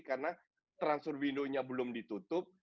karena transfer window nya belum ditutup